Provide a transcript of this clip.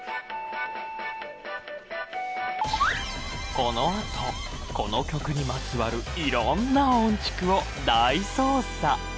このあとこの曲にまつわる色んな音チクを大捜査。